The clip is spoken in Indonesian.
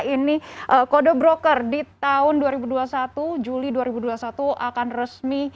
ini kode broker di tahun dua ribu dua puluh satu juli dua ribu dua puluh satu akan resmi